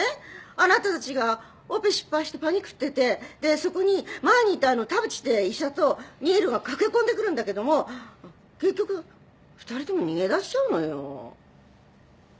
あなたたちがオペ失敗してパニクっててでそこに前にいた田淵って医者と新琉が駆け込んでくるんだけども結局２人とも逃げ出しちゃうのよ。